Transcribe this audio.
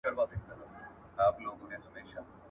• موږ ئې غله تا دي خدای را جوړ کي.